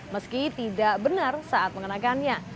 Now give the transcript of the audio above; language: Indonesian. meski tidak benar saat mengenakannya